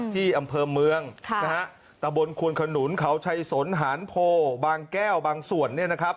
ที่อำเภอเมืองตะบนควนขนุนเขาชัยสนหานโพบางแก้วบางส่วน